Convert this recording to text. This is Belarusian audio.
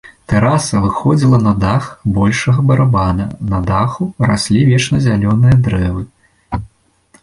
Тэраса выходзіла на дах большага барабана, на даху раслі вечназялёныя дрэвы.